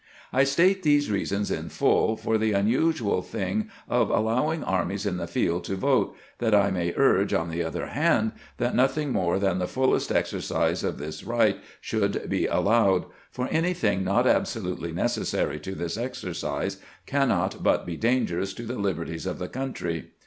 I state these reasons in full, for the unusual thing of allow ing armies in the field to vote, that I may urge, on the other hand, that nothing more than the fullest exercise of this right should be allowed ; for anything not absolutely necessary to this exercise cannot but be dangerous to the liberties of the country.